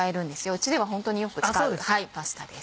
うちではホントによく使うパスタです。